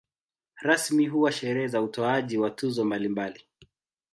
Rasmi huwa sherehe za utoaji wa tuzo mbalimbali.